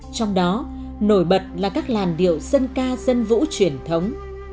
trong đó nổi bật là các làn điệu dân ca dân vũ truyền thống